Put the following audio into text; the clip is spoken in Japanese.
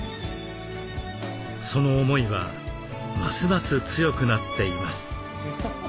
その思いはますます強くなっています。